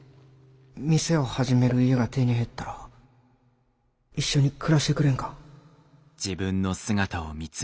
店を始める家が手に入ったら一緒に暮らしてくれんか？